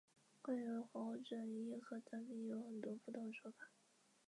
细子龙为无患子科细子龙属下的一个种。